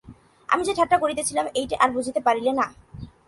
আমি যে ঠাট্টা করিতেছিলাম, এইটে আর বুঝিতে পারিলে না?